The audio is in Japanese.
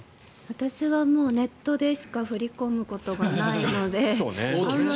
私はネットでしか振り込むことがないのでそんなに。